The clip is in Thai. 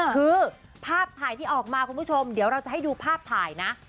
คือภาพถ่ายที่ออกมาคุณผู้ชมเดี๋ยวเราจะให้ดูภาพถ่ายนะ